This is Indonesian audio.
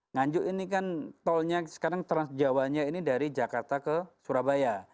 nganjuk ini kan tolnya sekarang trans jawanya ini dari jakarta ke surabaya